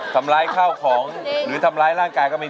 ทำร้ายข้าวของหรือทำร้ายร่างกายก็มี